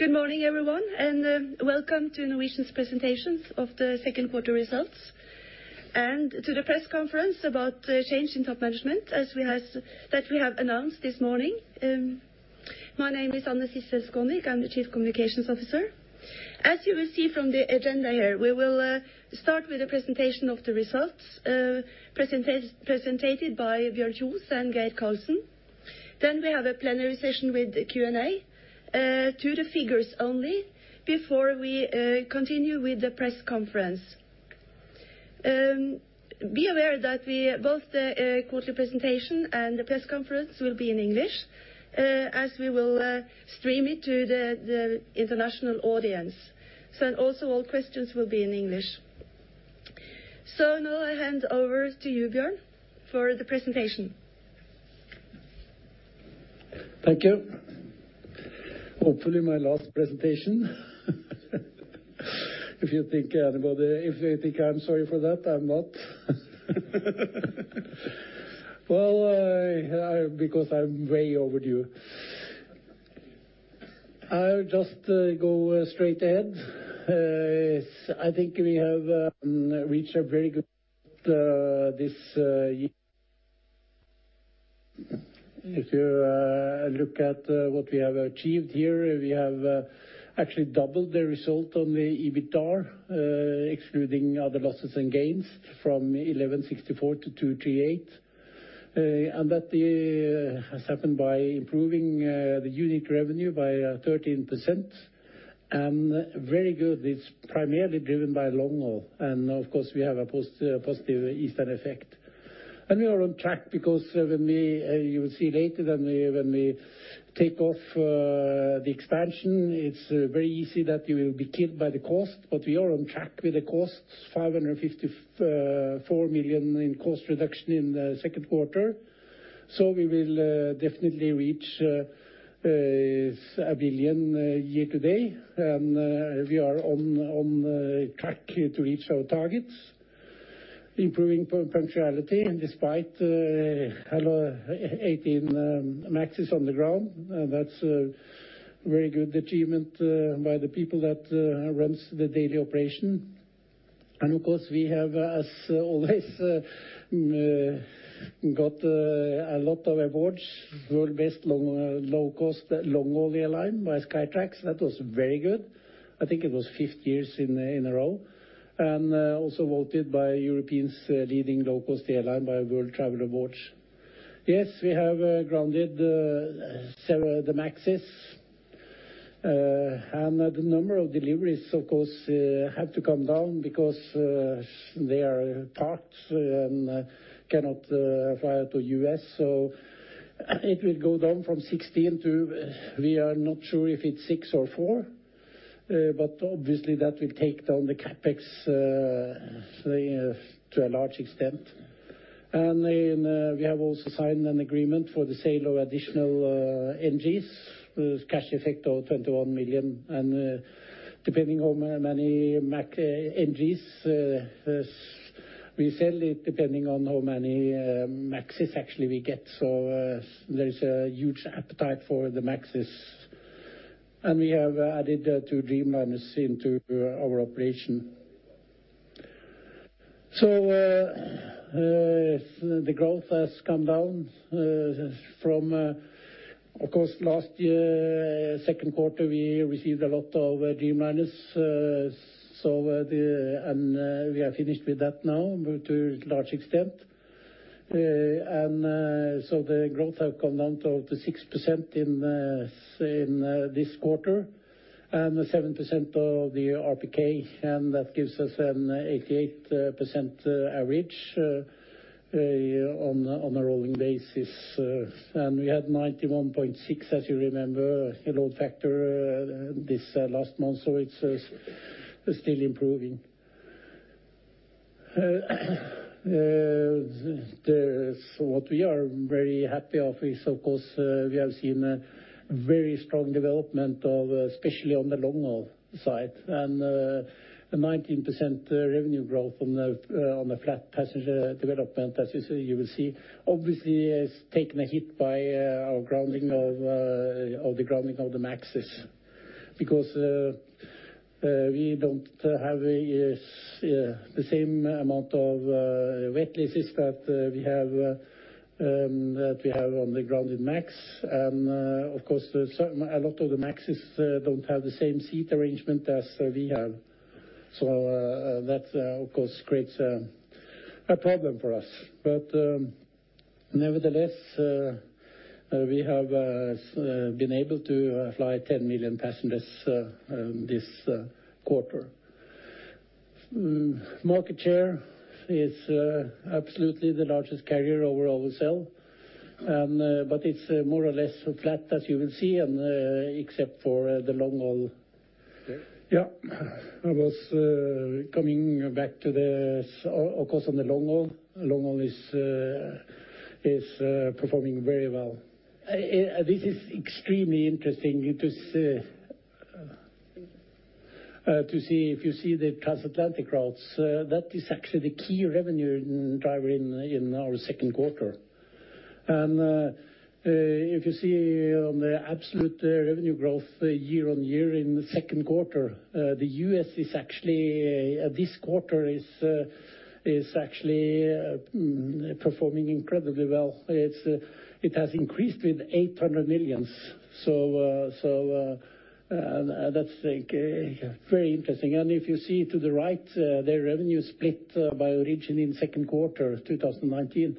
Good morning everyone, welcome to Norwegian's presentations of the second quarter results, and to the press conference about the change in top management that we have announced this morning. My name is Anne-Sissel Skånvik, I'm the Chief Communications Officer. As you will see from the agenda here, we will start with the presentation of the results, presented by Bjørn Kjos and Geir Karlsen. We have a plenary session with the Q&A to the figures only, before we continue with the press conference. Be aware that both the quarterly presentation and the press conference will be in English, as we will stream it to the international audience. All questions will be in English. I hand over to you, Bjørn, for the presentation. Thank you. Hopefully my last presentation. If you think I'm sorry for that, I'm not. I'm way overdue. I'll just go straight ahead. I think we have reached very good this year. If you look at what we have achieved here, we have actually doubled the result on the EBITDAR, excluding other losses and gains from 1,164 to 2,238. That has happened by improving the unit revenue by 13%, and very good. It's primarily driven by long-haul, and of course we have a positive Eastern effect. We are on track because when we, you will see later when we take off the expansion, it's very easy that you will be killed by the cost. We are on track with the costs, 554 million in cost reduction in the second quarter. We will definitely reach 1 billion year-to-date, and we are on track to reach our targets. Improving punctuality despite 18 MAXs on the ground. That's a very good achievement by the people that runs the daily operation. Of course, we have as always, got a lot of awards. World's Best Low-Cost Long-Haul Airline by Skytrax. That was very good. I think it was fifth years in a row. Also voted by Europe's Leading Low-Cost Airline by World Travel Awards. Yes, we have grounded several of the MAXs. The number of deliveries of course, have to come down because they are parked and cannot fly to U.S. It will go down from 16 to, we are not sure if it's six or four. Obviously that will take down the CapEx to a large extent. We have also signed an agreement for the sale of additional NGs with a cash effect of NOK 21 million. Depending how many NGs we sell, it depending on how many MAXs actually we get. There is a huge appetite for the MAXs. We have added two Dreamliners into our operation. The growth has come down from, of course, last year, second quarter, we received a lot of Dreamliners. We are finished with that now to a large extent. The growth have come down to 6% in this quarter and 7% of the RPK, and that gives us an 88% average on a rolling basis. We had 91.6, as you remember, load factor this last month, it's still improving. What we are very happy of is, of course, we have seen a very strong development of, especially on the long-haul side. 19% revenue growth on a flat passenger development, as you will see. Obviously it's taken a hit by the grounding of the MAXs. We don't have the same amount of wet leases as that we have on the grounded MAX. Of course, a lot of the MAXs don't have the same seat arrangement as we have. That of course creates a problem for us. Nevertheless, we have been able to fly 10 million passengers this quarter. Market share is absolutely the largest carrier overall at OSL. It's more or less flat as you will see, except for the long-haul. Yes. I was coming back to the, of course on the long-haul. Long-haul is performing very well. This is extremely interesting. To see if you see the transatlantic routes, that is actually the key revenue driver in our second quarter. If you see on the absolute revenue growth year-on-year in the second quarter, the U.S. this quarter is actually performing incredibly well. It has increased with 800 million. That's very interesting. If you see to the right, the revenue split by origin in second quarter of 2019,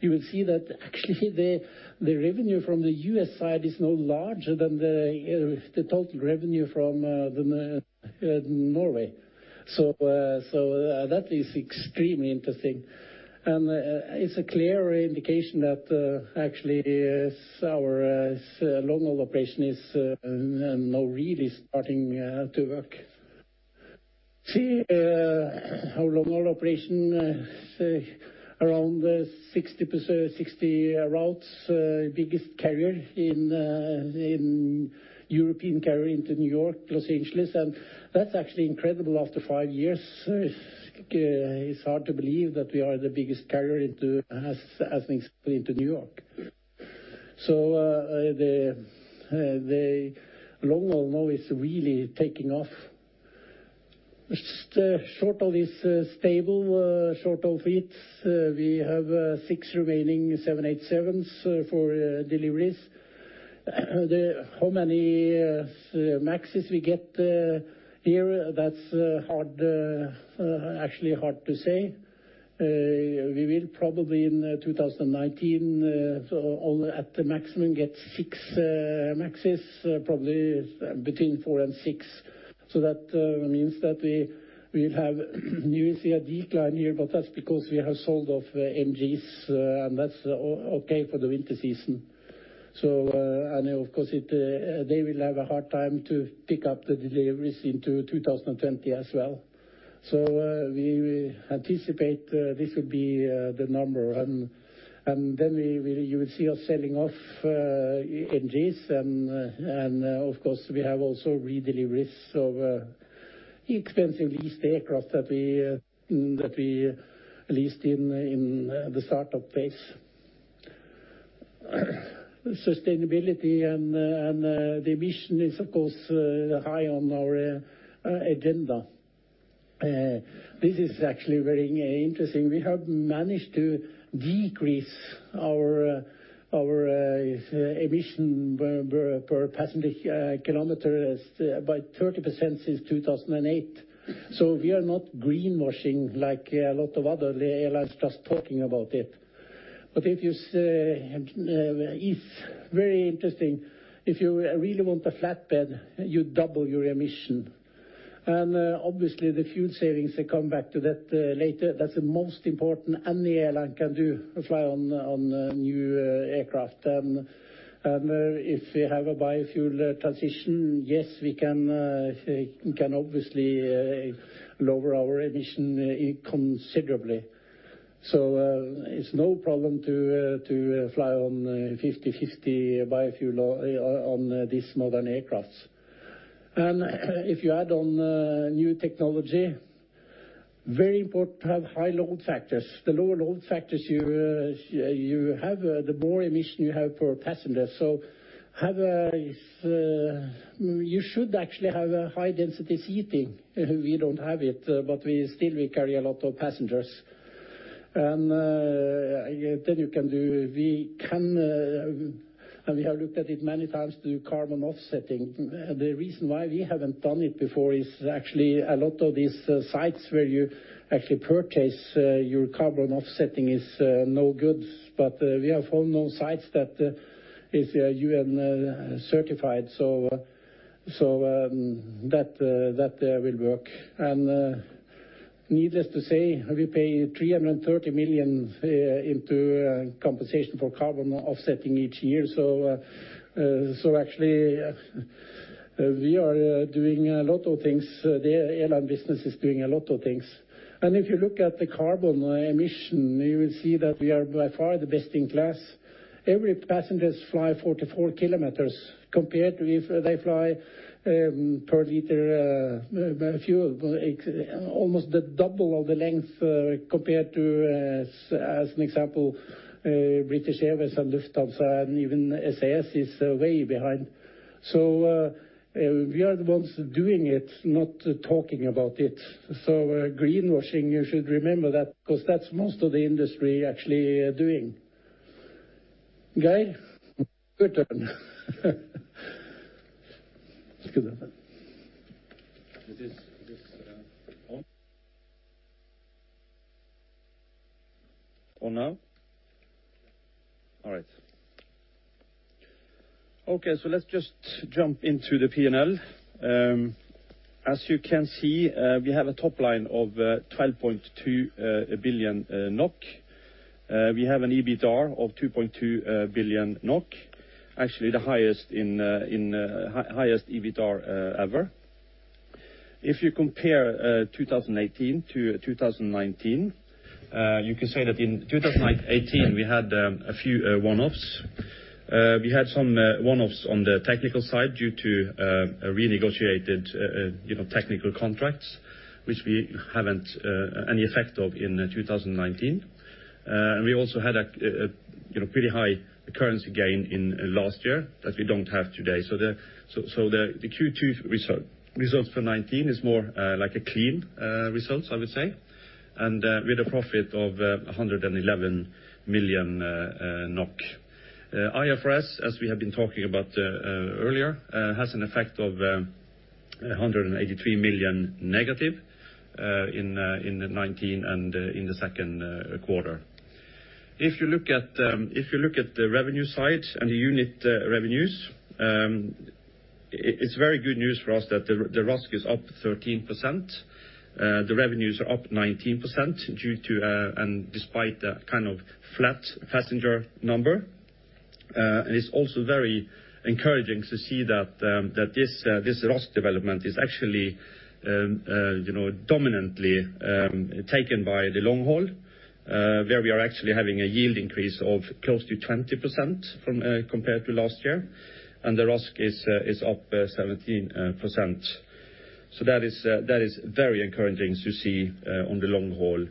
you will see that actually the revenue from the U.S. side is now larger than the total revenue from Norway. That is extremely interesting, and it's a clear indication that actually our long-haul operation is now really starting to work. See our long-haul operation, around 60 routes, biggest European carrier into New York, Los Angeles. That's actually incredible after five years. It's hard to believe that we are the biggest carrier as an example into New York. The long-haul now is really taking off. Short-haul is stable. Short-haul fleets, we have 6 remaining 787s for deliveries. How many MAXs we get here, that's actually hard to say. We will probably in 2019, at the maximum, get 6 MAXs, probably between 4 and 6. That means that we will have you will see a decline here, but that's because we have sold off NGs, and that's okay for the winter season. Of course they will have a hard time to pick up the deliveries into 2020 as well. We anticipate this will be the number. You will see us selling off NGs, and of course, we have also redeliveries of expensive leased aircraft that we leased in the start-up phase. Sustainability and the emission is, of course, high on our agenda. This is actually very interesting. We have managed to decrease our emission per passenger kilometer by 30% since 2008. We are not greenwashing like a lot of other airlines just talking about it. It's very interesting. If you really want a flatbed, you double your emission. Obviously the fuel savings, I'll come back to that later. That's the most important any airline can do, fly on new aircraft. If we have a biofuel transition, yes, we can obviously lower our emission considerably. It's no problem to fly on 50/50 biofuel on these modern aircrafts. If you add on new technology, very important to have high load factors. The lower load factors you have, the more emission you have per passenger. You should actually have a high-density seating. We don't have it, but still we carry a lot of passengers. We have looked at it many times to do carbon offsetting. The reason why we haven't done it before is actually a lot of these sites where you actually purchase your carbon offsetting is no good, but we have found now sites that is UN-certified, so that will work. Needless to say, we pay 330 million into compensation for carbon offsetting each year. Actually we are doing a lot of things. The airline business is doing a lot of things. If you look at the carbon emission, you will see that we are by far the best in class. Every passengers fly 44 km compared to if they fly per liter fuel, almost the double of the length compared to, as an example British Airways and Lufthansa, and even SAS is way behind. We are the ones doing it, not talking about it. Greenwashing, you should remember that, because that's most of the industry actually doing. Geir, your turn. Is this on? On now? All right. Let's just jump into the P&L. As you can see, we have a top line of 12.2 billion NOK. We have an EBITDAR of 2.2 billion NOK, actually the highest EBITDAR ever. If you compare 2018 to 2019, you can say that in 2018 we had a few one-offs. We had some one-offs on the technical side due to renegotiated technical contracts, which we haven't any effect of in 2019. We also had a pretty high currency gain in last year that we don't have today. The Q2 results for 2019 is more like a clean results, I would say, and with a profit of 111 million NOK. IFRS, as we have been talking about earlier, has an effect of 183 million negative in the 2019 and in the second quarter. If you look at the revenue side and the unit revenues, it's very good news for us that the RASK is up 13%. The revenues are up 19% despite the flat passenger number. It's also very encouraging to see that this RASK development is actually dominantly taken by the long haul where we are actually having a yield increase of close to 20% compared to last year. The RASK is up 17%. That is very encouraging to see on the long haul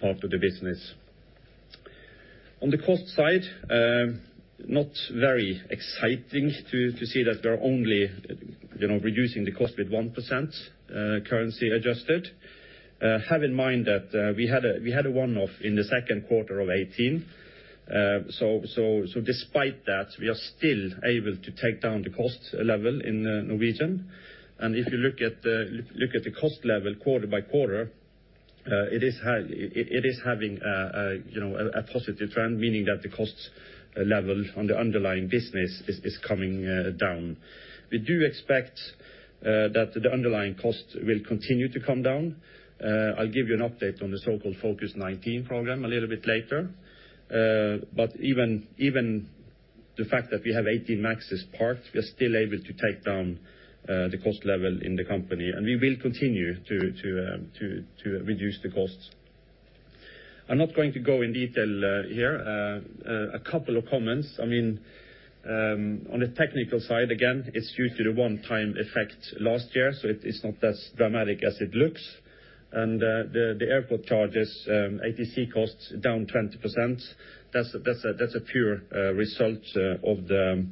part of the business. On the cost side, not very exciting to see that we're only reducing the cost with 1% currency adjusted. Have in mind that we had a one-off in the second quarter of 2018. Despite that, we are still able to take down the cost level in Norwegian. If you look at the cost level quarter by quarter, it is having a positive trend, meaning that the cost level on the underlying business is coming down. We do expect that the underlying cost will continue to come down. I'll give you an update on the so-called #Focus2019 program a little bit later. Even the fact that we have 18 MAXes parked, we are still able to take down the cost level in the company, and we will continue to reduce the costs. I'm not going to go in detail here. A couple of comments. On the technical side, again, it's due to the one-time effect last year, so it is not as dramatic as it looks. The airport charges, ATC costs down 20%. That's a pure result of the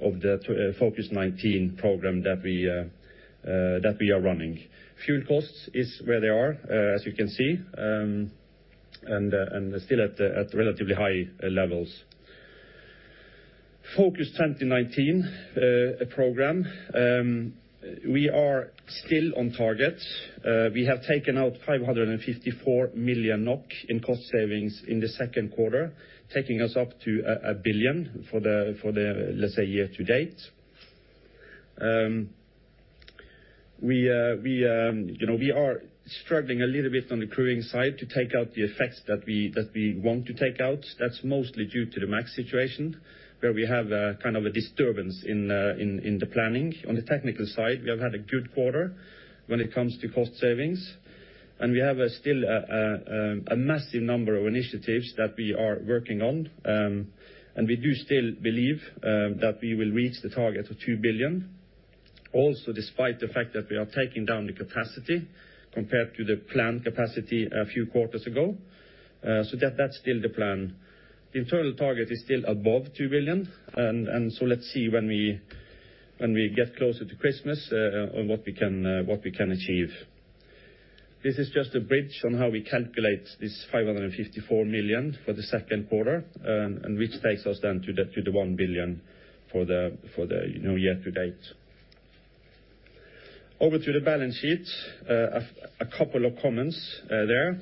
#Focus2019 program that we are running. Fuel costs is where they are, as you can see, and still at relatively high levels. #Focus2019 program. We are still on target. We have taken out 554 million NOK in cost savings in the second quarter, taking us up to 1 billion for the let's say year-to-date. We are struggling a little bit on the crewing side to take out the effects that we want to take out. That's mostly due to the MAX situation, where we have a disturbance in the planning. On the technical side, we have had a good quarter when it comes to cost savings, and we have still a massive number of initiatives that we are working on. We do still believe that we will reach the target of 2 billion. Also, despite the fact that we are taking down the capacity compared to the planned capacity a few quarters ago. That's still the plan. The internal target is still above 2 billion. Let's see when we get closer to Christmas on what we can achieve. This is just a bridge on how we calculate this 554 million for the second quarter, which takes us then to the 1 billion for the year-to-date. Over to the balance sheet. A couple of comments there.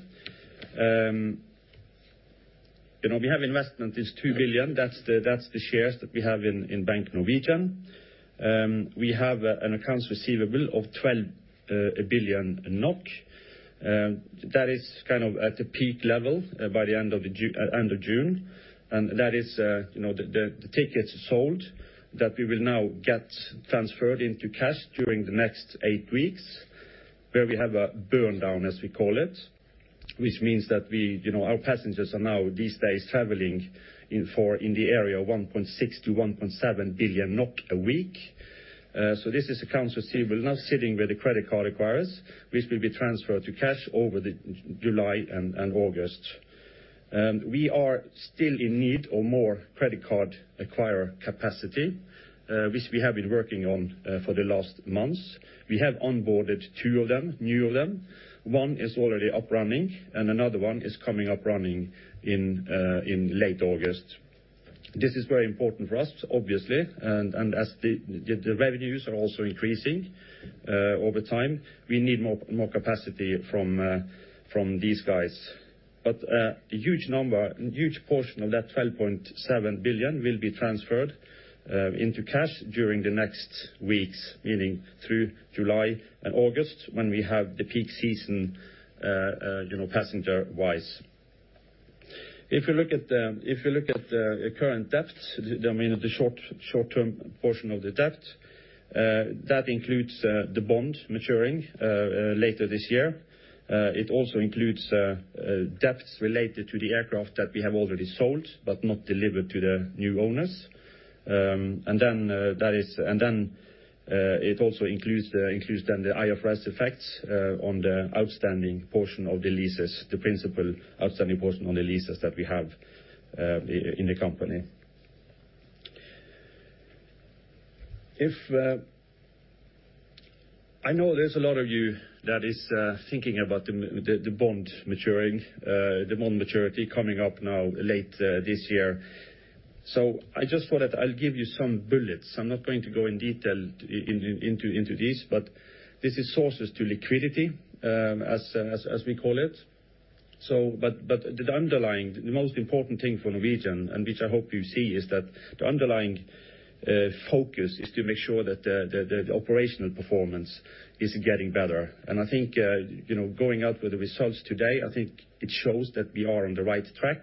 We have investment is 2 billion. That's the shares that we have in Bank Norwegian. We have an accounts receivable of 12 billion NOK. That is at the peak level by the end of June. That is the tickets sold that we will now get transferred into cash during the next eight weeks, where we have a burn down, as we call it, which means that our passengers are now these days traveling in the area of 1.6 billion-1.7 billion NOK a week. This is accounts receivable now sitting with the credit card acquirers, which will be transferred to cash over July and August. We are still in need of more credit card acquirer capacity, which we have been working on for the last months. We have onboarded two of them, new of them. One is already up running, and another one is coming up running in late August. This is very important for us, obviously, and as the revenues are also increasing over time, we need more capacity from these guys. A huge portion of that 12.7 billion will be transferred into cash during the next weeks, meaning through July and August when we have the peak season passenger-wise. If you look at the current debts, the short-term portion of the debt, that includes the bond maturing later this year. It also includes debts related to the aircraft that we have already sold but not delivered to the new owners. It also includes the IFRS effects on the outstanding portion of the leases, the principal outstanding portion on the leases that we have in the company. I know there's a lot of you that is thinking about the bond maturing, the bond maturity coming up now late this year. I just thought that I'll give you some bullets. I'm not going to go in detail into this, but this is sources to liquidity, as we call it. The most important thing for Norwegian, and which I hope you see, is that the underlying focus is to make sure that the operational performance is getting better. I think, going out with the results today, I think it shows that we are on the right track.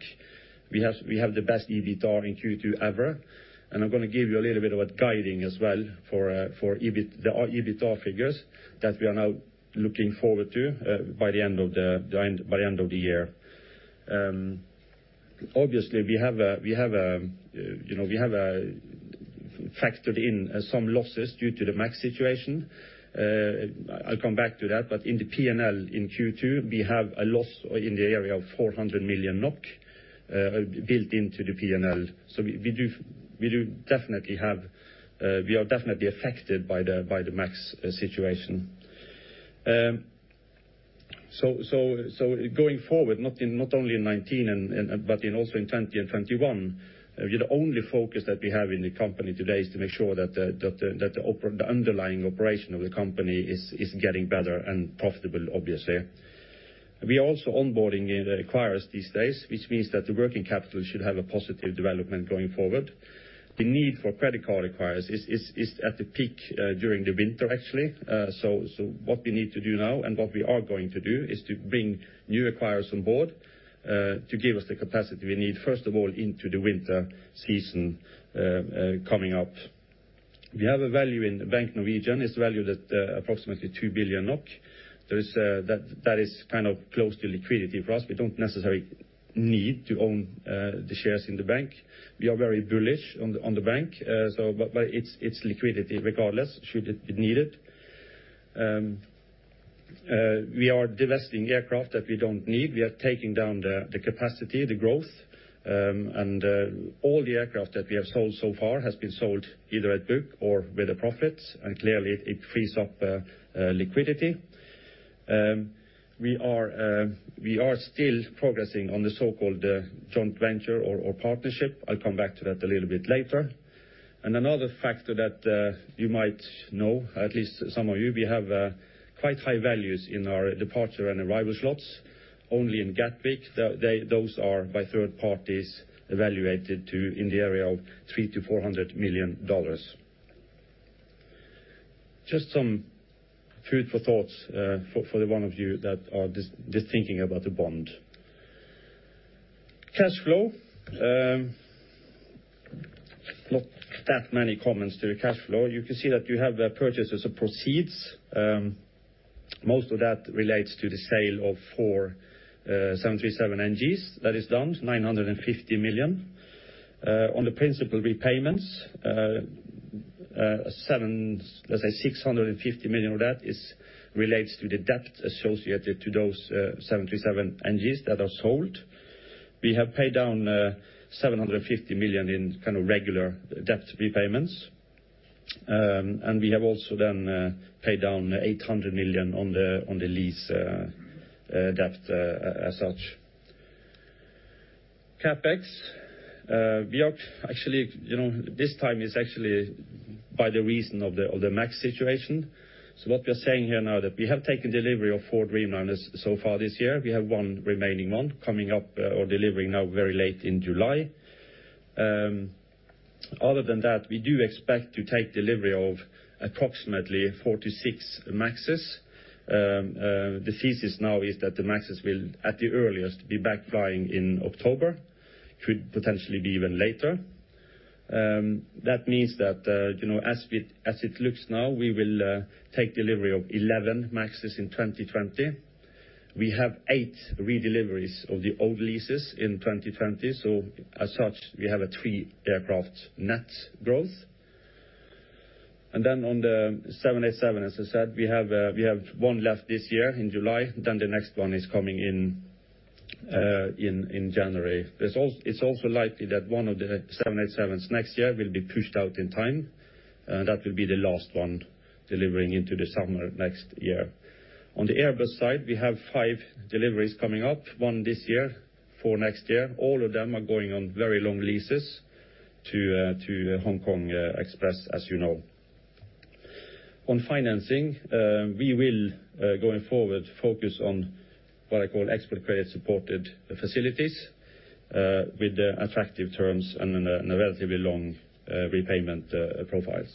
We have the best EBITA in Q2 ever, and I'm going to give you a little bit of a guiding as well for the EBITA figures that we are now looking forward to by the end of the year. Obviously, we have factored in some losses due to the MAX situation. I'll come back to that. In the P&L in Q2, we have a loss in the area of 400 million NOK built into the P&L. We are definitely affected by the MAX situation. Going forward, not only in 2019 but also in 2020 and 2021, the only focus that we have in the company today is to make sure that the underlying operation of the company is getting better and profitable, obviously. We are also onboarding new acquirers these days, which means that the working capital should have a positive development going forward. The need for credit card acquirers is at the peak during the winter, actually. What we need to do now, and what we are going to do, is to bring new acquirers on board to give us the capacity we need, first of all, into the winter season coming up. We have a value in the Bank Norwegian. It's valued at approximately 2 billion NOK. That is close to liquidity for us. We don't necessarily need to own the shares in the bank. We are very bullish on the bank. It's liquidity regardless, should it be needed. We are divesting aircraft that we don't need. We are taking down the capacity, the growth, and all the aircraft that we have sold so far has been sold either at book or with a profit, and clearly it frees up liquidity. We are still progressing on the so-called joint venture or partnership. I'll come back to that a little bit later. Another factor that you might know, at least some of you, we have quite high values in our departure and arrival slots. Only in Gatwick, those are by third parties evaluated to in the area of $300 million-$400 million. Just some food for thought for the one of you that is just thinking about the bond. Cash flow. Not that many comments to the cash flow. You can see that you have purchases of proceeds. Most of that relates to the sale of 4 737NGs. That is done, 950 million. On the principal repayments, let's say 650 million of that relates to the debt associated to those 737NGs that are sold. We have paid down 750 million in regular debt repayments. We have also then paid down 800 million on the lease debt as such. CapEx. This time is actually by the reason of the MAX situation. What we're saying here now that we have taken delivery of four Dreamliners so far this year. We have one remaining one coming up or delivering now very late in July. Other than that, we do expect to take delivery of approximately 4 to 6 MAXs. The thesis now is that the MAXs will, at the earliest, be back flying in October. It could potentially be even later. That means that as it looks now, we will take delivery of 11 MAXs in 2020. We have eight redeliveries of the old leases in 2020. As such, we have a three-aircraft net growth. On the 787, as I said, we have one left this year in July, the next one is coming in January. It's also likely that one of the 787s next year will be pushed out in time. That will be the last one delivering into the summer next year. On the Airbus side, we have five deliveries coming up, one this year, four next year. All of them are going on very long leases to Hong Kong Express, as you know. On financing, we will, going forward, focus on what I call export credit-supported facilities with attractive terms and relatively long repayment profiles.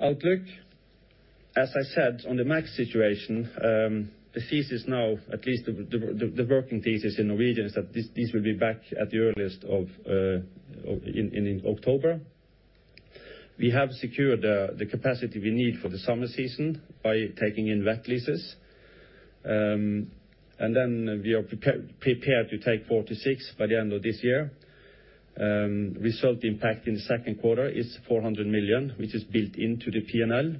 Outlook. As I said, on the MAX situation, the thesis now, at least the working thesis in Norwegian, is that this will be back at the earliest in October. We have secured the capacity we need for the summer season by taking in wet leases. We are prepared to take 46 by the end of this year. Result impact in the second quarter is 400 million, which is built into the P&L.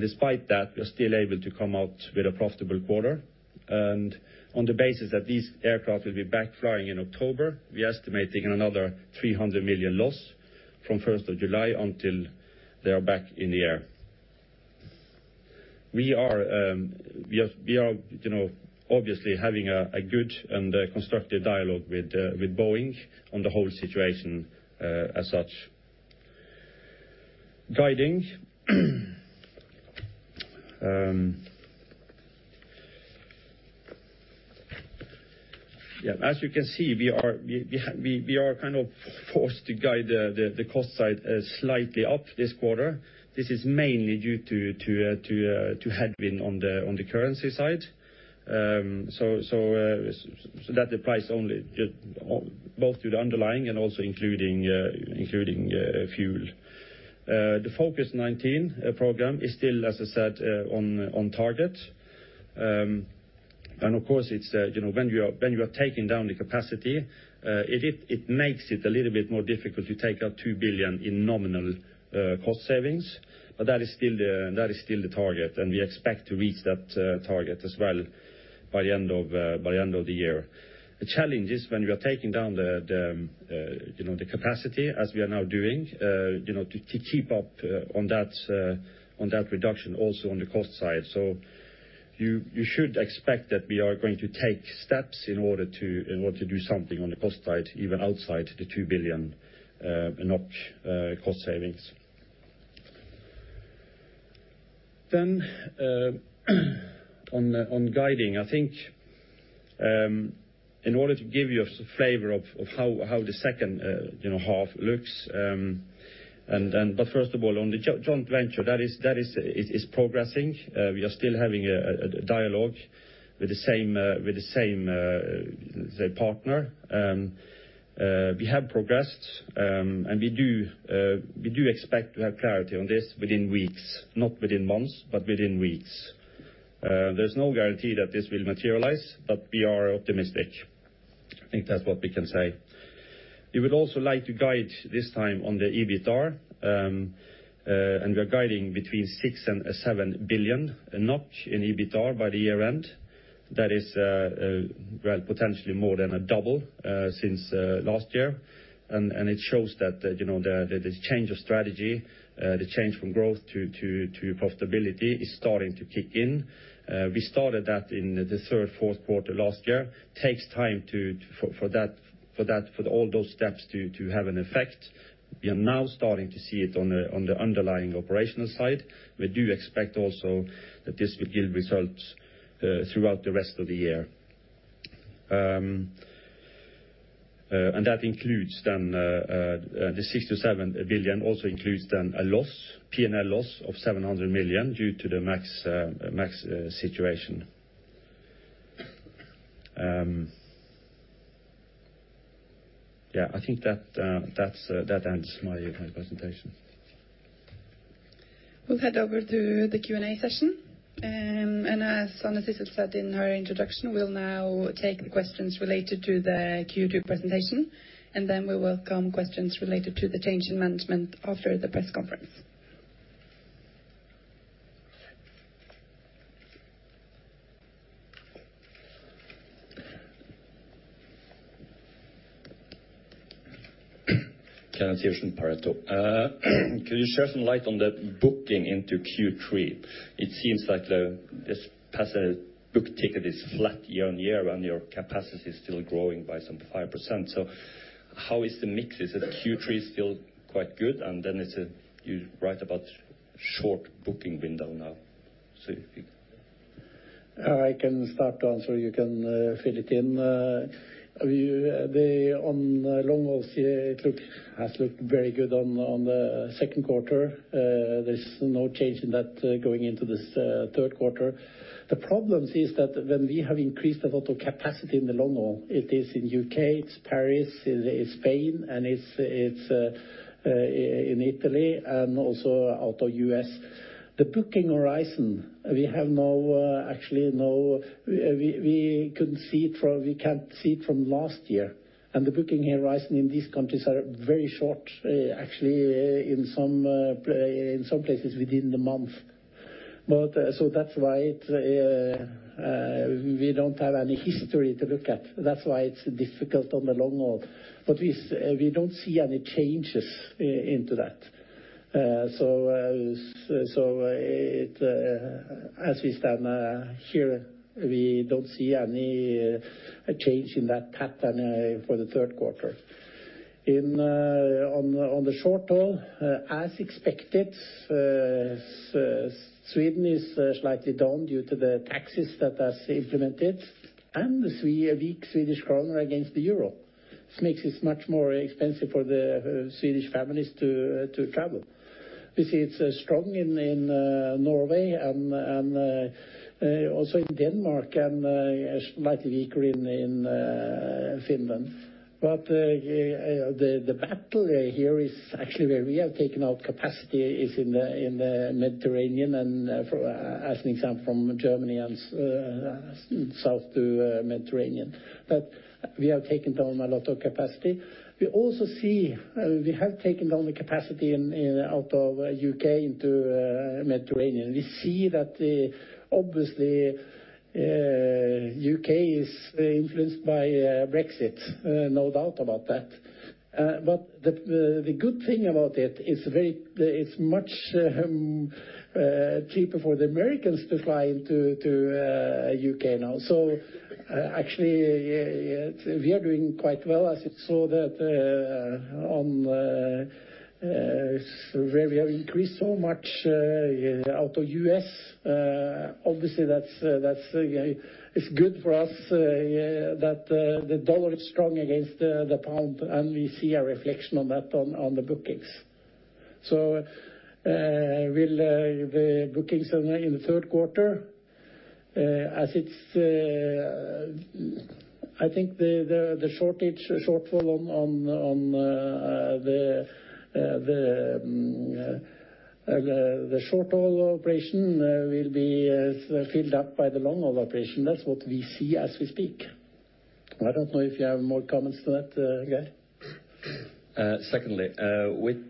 Despite that, we are still able to come out with a profitable quarter. On the basis that these aircraft will be back flying in October, we are estimating another 300 million loss from 1st of July until they are back in the air. We are obviously having a good and constructive dialogue with Boeing on the whole situation as such. Guiding. As you can see, we are kind of forced to guide the cost side slightly up this quarter. This is mainly due to headwind on the currency side. That applies both to the underlying and also including fuel. The #Focus2019 program is still, as I said, on target. Of course, when you are taking down the capacity, it makes it a little bit more difficult to take out 2 billion in nominal cost savings. That is still the target, and we expect to reach that target as well by the end of the year. The challenge is when we are taking down the capacity as we are now doing, to keep up on that reduction also on the cost side. You should expect that we are going to take steps in order to do something on the cost side, even outside the 2 billion NOK cost savings. On guiding, I think in order to give you a flavor of how the second half looks. First of all, on the joint venture, that is progressing. We are still having a dialogue with the same partner. We have progressed, and we do expect to have clarity on this within weeks, not within months, but within weeks. There's no guarantee that this will materialize, but we are optimistic. I think that's what we can say. We would also like to guide this time on the EBITDAR, and we are guiding between 6 billion and 7 billion NOK in EBITDAR by the year-end. That is potentially more than a double since last year, and it shows that this change of strategy, the change from growth to profitability, is starting to kick in. We started that in the third, fourth quarter last year. Takes time for all those steps to have an effect. We are now starting to see it on the underlying operational side. We do expect also that this will yield results throughout the rest of the year. That includes then the 6 billion to 7 billion NOK, also includes then a P&L loss of 700 million NOK due to the MAX situation. I think that ends my presentation. We'll head over to the Q&A session. As Anne-Sissel said in her introduction, we'll now take the questions related to the Q2 presentation, and then we welcome questions related to the change in management after the press conference. Can you share some light on the booking into Q3? It seems like the passenger book ticket is flat year-on-year and your capacity is still growing by some 5%. How is the mix? Is the Q3 still quite good? You write about short booking window now. I can start to answer. You can fill it in. On long haul, it has looked very good on the second quarter. There's no change in that going into this third quarter. The problem is that when we have increased a lot of capacity in the long haul, it is in U.K., it's Paris, it's Spain, and it's in Italy and also out of U.S. The booking horizon, we can't see it from last year. The booking horizon in these countries are very short, actually, in some places within the month. That's why we don't have any history to look at. That's why it's difficult on the long haul, but we don't see any changes into that. As we stand here, we don't see any change in that pattern for the third quarter. On the short haul, as expected, Sweden is slightly down due to the taxes that are implemented and the weak Swedish krona against the euro. This makes it much more expensive for the Swedish families to travel. We see it's strong in Norway and also in Denmark, and slightly weaker in Finland. The battle here is actually where we have taken out capacity is in the Mediterranean and as an example, from Germany and south to Mediterranean. We have taken down a lot of capacity. We have taken down the capacity out of U.K. into Mediterranean. We see that obviously, U.K. is influenced by Brexit, no doubt about that. The good thing about it's much cheaper for the Americans to fly into U.K. now. Actually, we are doing quite well as you saw that on where we have increased so much out of U.S. Obviously, that's good for us that the dollar is strong against the pound, and we see a reflection of that on the bookings. The bookings in the third quarter, I think the shortfall on the short-haul operation will be filled up by the long-haul operation. That's what we see as we speak. I don't know if you have more comments to that, Geir. Secondly, with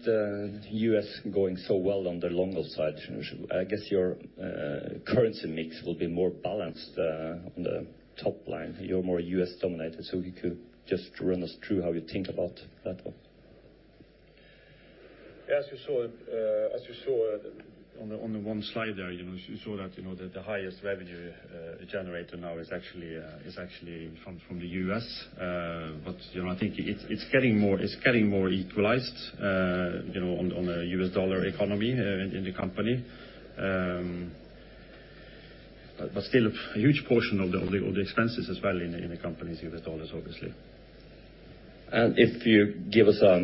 U.S. going so well on the long-haul side, I guess your currency mix will be more balanced on the top line. You're more U.S. dominated. If you could just run us through how you think about that one. As you saw on the one slide there, you saw that the highest revenue generator now is actually from the U.S. I think it's getting more equalized on a U.S. dollar economy in the company. Still a huge portion of the expenses as well in the company is U.S. dollars, obviously. If you give us a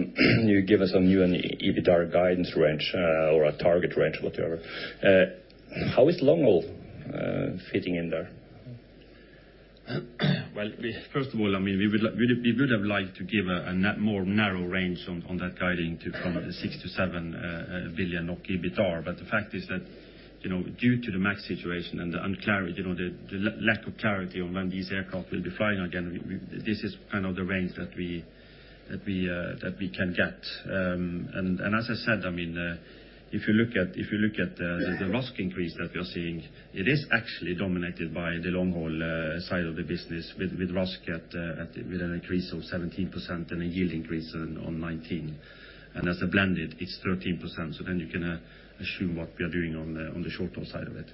new EBITDA guidance range or a target range, whatever, how is long-haul fitting in there? Well, first of all, we would have liked to give a more narrow range on that guiding to from 6 billion to 7 billion of EBITDA. The fact is that, due to the MAX situation and the lack of clarity on when these aircraft will be flying again, this is kind of the range that we can get. As I said, if you look at the RASK increase that we are seeing, it is actually dominated by the long-haul side of the business with RASK at an increase of 17% and a yield increase of 19%. As a blended, it's 13%. You can assume what we are doing on the short-haul side of it.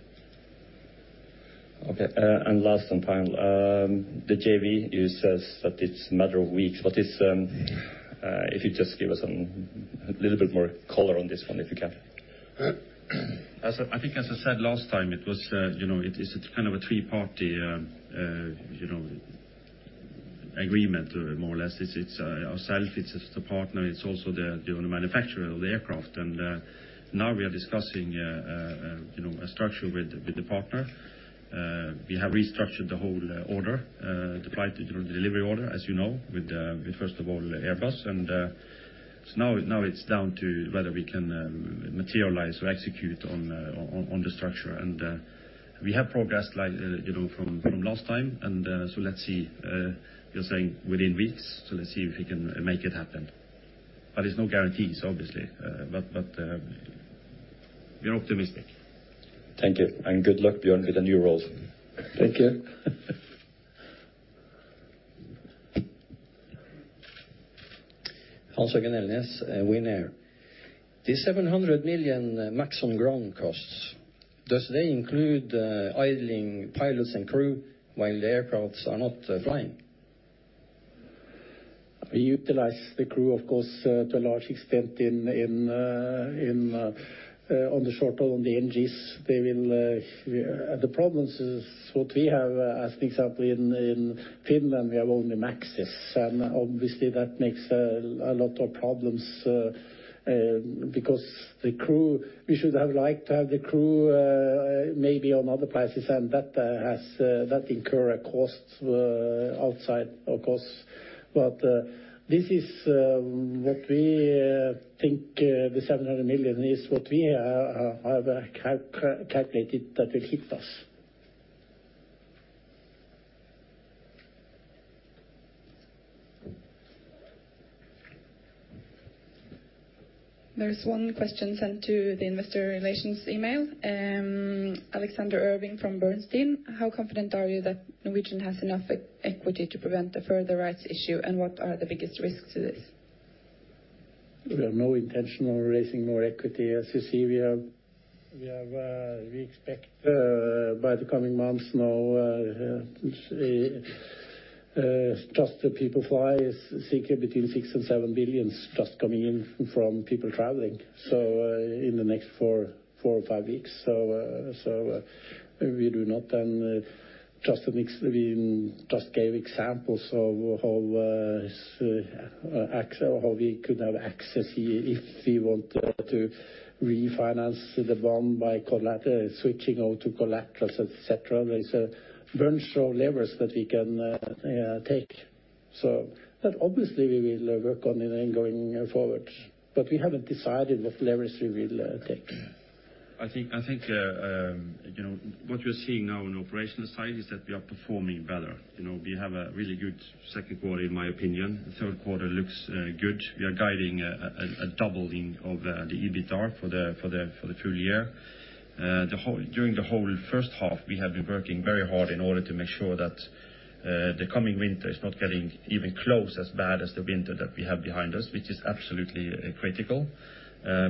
Okay. Last and final. The JV, you said that it's a matter of weeks. If you just give us a little bit more color on this one, if you can. I think as I said last time, it is a three-party agreement more or less. It's ourself, it's the partner, it's also the manufacturer of the aircraft. Now we are discussing a structure with the partner. We have restructured the whole order, the delivery order, as you know, with first of all, Airbus. Now it's down to whether we can materialize or execute on the structure. We have progressed from last time, let's see. We are saying within weeks, let's see if we can make it happen. There's no guarantees, obviously. We are optimistic. Thank you. Good luck, Bjørn, with the new role. Thank you. Hans-Jørgen Elnæs, Winair. The 700 million MAX on ground costs, does they include idling pilots and crew while the aircrafts are not flying? We utilize the crew, of course, to a large extent on the short-haul, on the NGs. The problems is what we have as an example in Finland, we have only MAXs. Obviously, that makes a lot of problems because we should have liked to have the crew maybe on other places, and that incur a cost outside, of course. This is what we think the 700 million is what we have calculated that will hit us. There is one question sent to the investor relations email. Alex Irving from Bernstein. "How confident are you that Norwegian has enough equity to prevent a further rights issue, and what are the biggest risks to this? We have no intention of raising more equity. As you see, we expect by the coming months now, just the people fly is seeking between 6 billion and 7 billion just coming in from people traveling in the next four or five weeks. We do not. We just gave examples of how we could have access if we want to refinance the bond by switching over to collaterals, et cetera. There is a bunch of levers that we can take. That obviously we will work on in going forward. We haven't decided what levers we will take. I think what we're seeing now on the operational side is that we are performing better. We have a really good second quarter, in my opinion. The third quarter looks good. We are guiding a doubling of the EBITDAR for the full year. During the whole first half, we have been working very hard in order to make sure that the coming winter is not getting even close as bad as the winter that we have behind us, which is absolutely critical.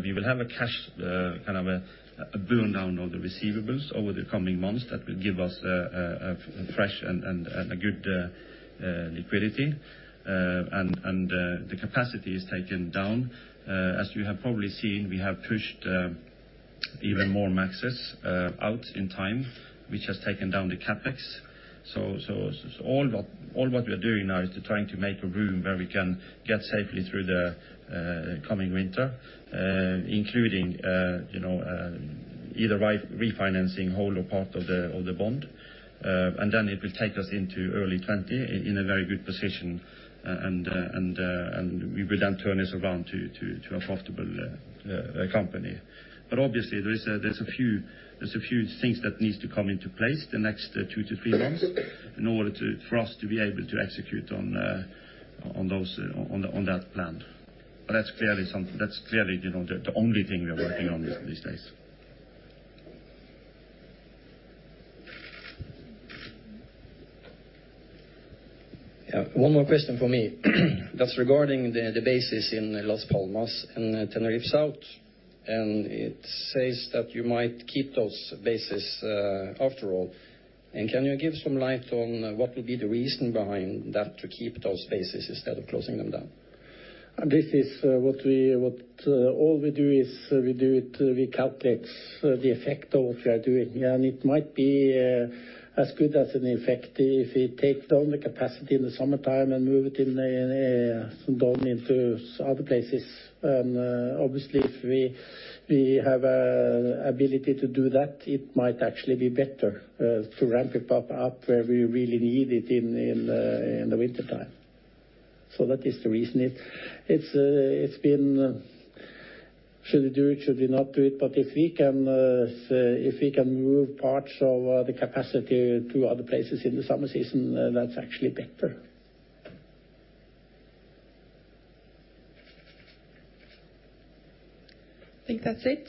We will have a cash burn down of the receivables over the coming months that will give us a fresh and good liquidity. The capacity is taken down. As you have probably seen, we have pushed even more MAXes out in time, which has taken down the CapEx. All what we are doing now is trying to make a room where we can get safely through the coming winter, including either refinancing whole or part of the bond. It will take us into early 2020 in a very good position and we will then turn this around to a profitable company. Obviously, there's a few things that needs to come into place the next two to three months in order for us to be able to execute on that plan. That's clearly the only thing we are working on these days. Yeah. One more question for me. Just regarding the bases in Las Palmas and Tenerife South, it says that you might keep those bases after all. Can you give some light on what will be the reason behind that, to keep those bases instead of closing them down? All we do is, we calculate the effect of what we are doing. It might be as good as an effect if we take down the capacity in the summertime and move it in some down into other places. Obviously, if we have ability to do that, it might actually be better to ramp it up where we really need it in the wintertime. That is the reason. It's been, should we do it, should we not do it? If we can move parts of the capacity to other places in the summer season, that's actually better. I think that's it.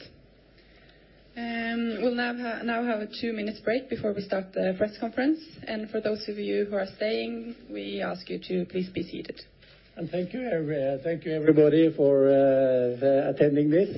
We'll now have a two-minute break before we start the press conference. For those of you who are staying, we ask you to please be seated. Thank you everybody for attending this.